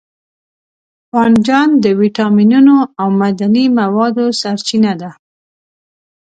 بانجان د ویټامینونو او معدني موادو سرچینه ده.